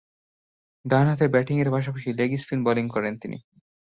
ডানহাতে ব্যাটিংয়ের পাশাপাশি লেগ স্পিন বোলিং করেন তিনি।